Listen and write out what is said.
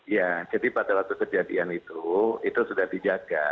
ya jadi pada waktu kejadian itu itu sudah dijaga